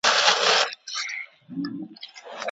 زه به اوږده موده د سبا لپاره د تمرينونو ترسره کول کړي وم.